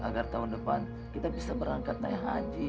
agar tahun depan kita bisa berangkat naik haji